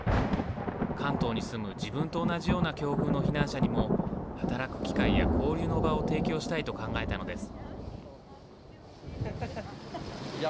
関東に住む自分と同じような境遇の避難者にも働く機会や交流の場を提供したいと考えたのです。